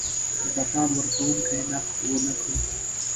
که ټکان ورکونکی نقد ونه کړو.